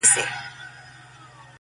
ستا هغه ګوته طلایي چیري ده-